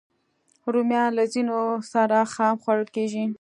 رومیان له ځینو سره خام خوړل کېږي